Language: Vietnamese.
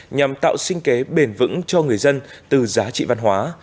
nhằm tạo sinh kế bền vững cho người dân từ giá trị văn hóa